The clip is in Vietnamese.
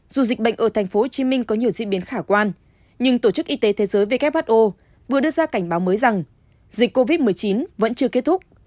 dù dịch bệnh ở tp hcm có nhiều diễn biến khả quan nhưng tổ chức y tế thế giới who vừa đưa ra cảnh báo mới rằng dịch covid một mươi chín vẫn chưa kết thúc